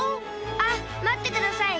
あっまってください。